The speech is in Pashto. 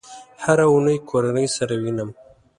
هره اونۍ کورنۍ سره وینم